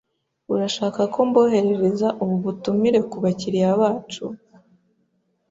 Urashaka ko mboherereza ubu butumire kubakiriya bacu?